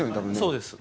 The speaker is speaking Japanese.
そうです。